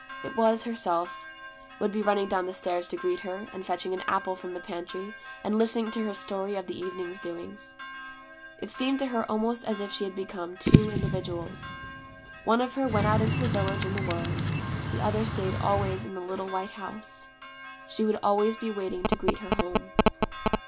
It was Herself, would be running down the stairs to greet her, and fetching an apple from the pantry, and listening to her story of the evening's doings. It seemed to her almost as if she had become two individuals. One of her went out into the village and the world. The other stayed always in the little white house. She would always be waiting to greet her home.